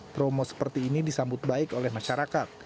promo seperti ini disambut baik oleh masyarakat